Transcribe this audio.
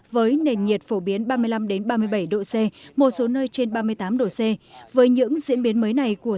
với nền nhiệt phổ biến ba mươi năm ba mươi bảy độ c một số nơi trên ba mươi tám độ c với những diễn biến mới này của